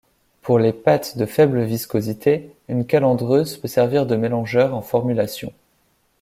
Pour les pâtes de faible viscosité, une calandreuse peut servir de mélangeur en formulation.